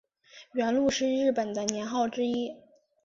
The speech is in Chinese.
元禄是日本的年号之一。